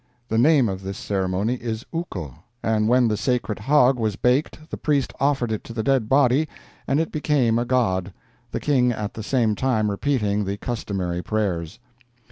The name of this ceremony is uko; and when the sacred hog was baked the priest offered it to the dead body, and it became a god, the King at the same time repeating the customary prayers.